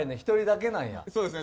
１人だけなんや。